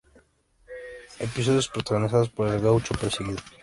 Episodios protagonizados por un gaucho perseguido.